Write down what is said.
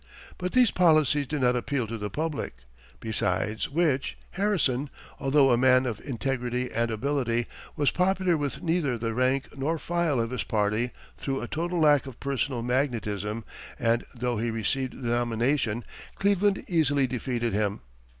But these policies did not appeal to the public; besides which, Harrison, although a man of integrity and ability, was popular with neither the rank nor file of his party, through a total lack of personal magnetism, and though he received the nomination, Cleveland easily defeated him.